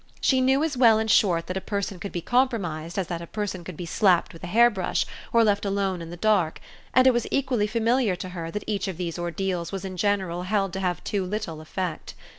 She knew as well in short that a person could be compromised as that a person could be slapped with a hair brush or left alone in the dark, and it was equally familiar to her that each of these ordeals was in general held to have too little effect.